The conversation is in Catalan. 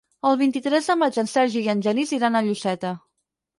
El vint-i-tres de maig en Sergi i en Genís iran a Lloseta.